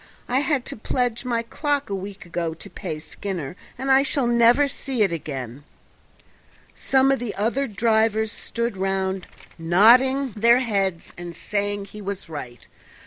I had to pledge my clock a week ago to pay Skinner, and I shall never see it again." Some of the other drivers stood round nodding their heads and saying he was right.